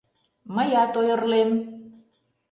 — Мыят ойырлем...